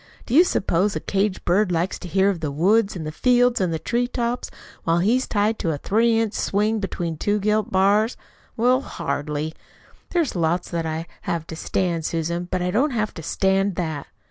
Do you suppose a caged bird likes to hear of the woods and fields and tree tops while he's tied to a three inch swing between two gilt bars? Well, hardly! There's lots that I do have to stand, Susan, but I don't have to stand that."